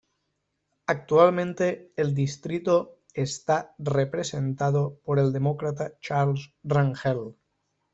Actualmente el distrito está representado por el Demócrata Charles Rangel.